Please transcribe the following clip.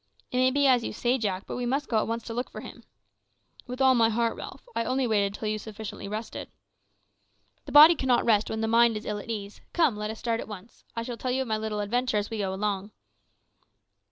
"It may be as you say, Jack, but we must go at once to look for him." "With all my heart, Ralph. I only waited until you had sufficiently rested." "The body cannot rest when the mind is ill at ease. Come, let us start at once. I shall tell you of my little adventure as we go along."